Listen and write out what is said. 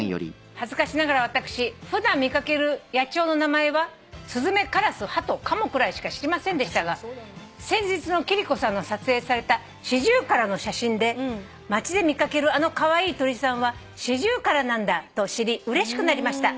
「恥ずかしながら私普段見掛ける野鳥の名前はスズメカラスハトカモくらいしか知りませんでしたが先日の貴理子さんの撮影されたシジュウカラの写真で街で見掛けるあのカワイイ鳥さんはシジュウカラなんだと知りうれしくなりました。